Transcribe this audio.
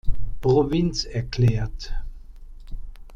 Provinz erklärt.